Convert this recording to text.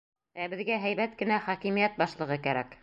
Ә беҙгә һәйбәт кенә хакимиәт башлығы кәрәк.